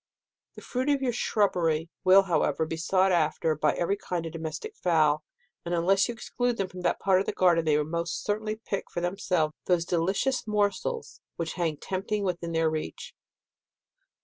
The fruit of your shrubbery will, however, be sought after by every kind of domestic fowl, and unless you exclude them from that part of the garden, they will most certainly pick for themselves those delicious morsels which hang tempting within their reach.